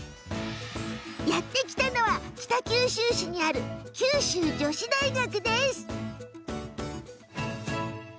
やって来たのは北九州市にある九州女子大学。